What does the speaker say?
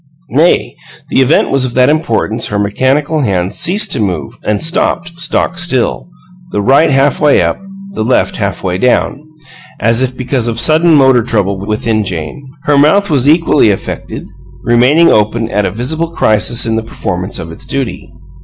Nay, the event was of that importance her mechanical hands ceased to move and stopped stock still, the right half way up, the left half way down, as if because of sudden motor trouble within Jane. Her mouth was equally affected, remaining open at a visible crisis in the performance of its duty.